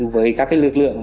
với các lực lượng